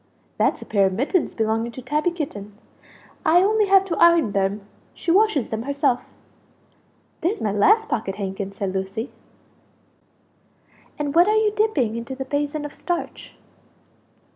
"That's a pair of mittens belonging to Tabby Kitten; I only have to iron them; she washes them herself." "There's my last pocket handkin!" said Lucie. "And what are you dipping into the basin of starch?"